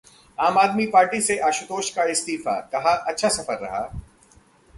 आम आदमी पार्टी से आशुतोष का इस्तीफा, कहा- अच्छा सफर रहा